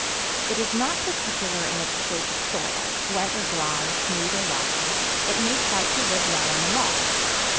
It is not particular in its choice of soil: wet or dry, smooth or rocky, it makes out to live well on them all.